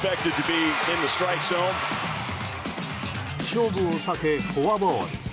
勝負を避け、フォアボール。